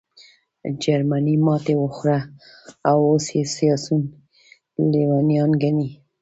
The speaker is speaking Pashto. جرمني ماتې وخوړه او اوس یې سیاسیون لېونیان ګڼې